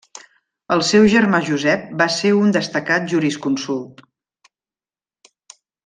El seu germà Josep va ser un destacat jurisconsult.